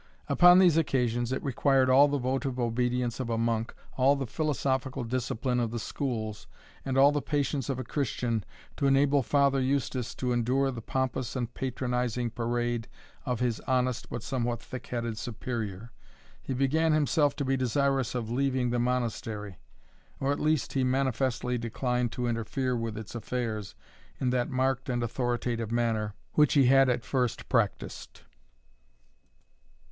Upon these occasions, it required all the votive obedience of a monk, all the philosophical discipline of the schools, and all the patience of a Christian, to enable Father Eustace to endure the pompous and patronizing parade of his honest, but somewhat thick headed Superior. He began himself to be desirous of leaving the Monastery, or at least he manifestly declined to interfere with its affairs, in that marked and authoritative manner, which he had at first practised.